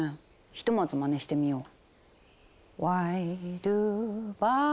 ひとまずまねしてみよう。